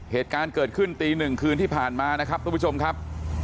เหตุการณ์เกิดขึ้นตีหนึ่งคืนที่ผ่านมานะครับทุกผู้ชมครับ